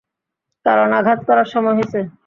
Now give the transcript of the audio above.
কারণ আঘাত করার সময় হইছে।